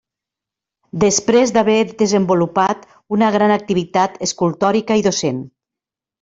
Després d'haver desenvolupat una gran activitat escultòrica i docent.